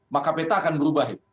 maka peta akan berubah